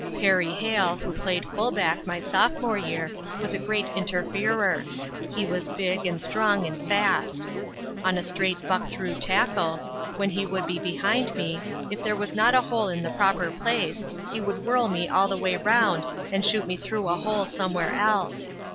Perry Hale, who played fullback my sophomore year, was a great interferer. He was big, and strong and fast. On a straight buck through tackle, when he would be behind me, if there was not a hole in the proper place, he would whirl me all the way round and shoot me through a hole somewhere else.